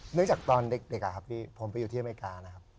เรื่องจากตอนเด็กผมไปอยู่ที่อเมริกานะครับ